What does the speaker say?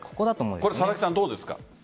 佐々木さん、どうですか？